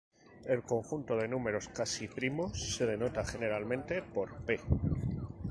El conjunto de números casi primos se denota generalmente por "P".